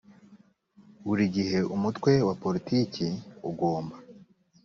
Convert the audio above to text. buri gihe umutwe wa politiki ugomba